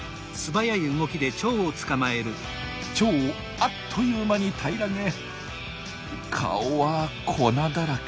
チョウをあっという間に平らげ顔は粉だらけ。